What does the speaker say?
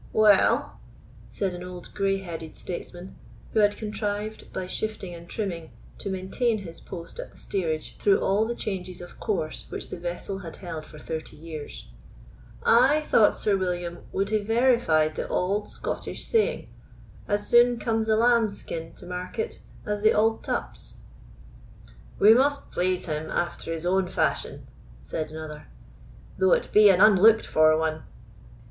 "Well," said an old grey headed statesman, who had contrived, by shifting and trimming, to maintain his post at the steerage through all the changes of course which the vessel had held for thirty years, "I thought Sir William would hae verified the auld Scottish saying, 'As soon comes the lamb's skin to market as the auld tup's'." "We must please him after his own fashion," said another, "though it be an unlooked for one."